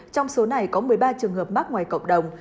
trong số này có một mươi ba trường hợp mắc ngoài cộng đồng